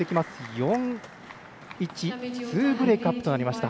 ４−１２ブレークアップとなりました。